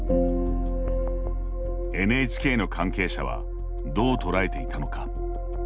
ＮＨＫの関係者はどう捉えていたのか。